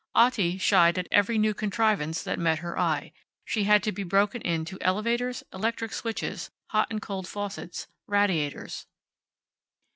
Otti shied at every new contrivance that met her eye. She had to be broken in to elevators, electric switches, hot and cold faucets, radiators.